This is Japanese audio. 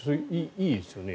いいですよね。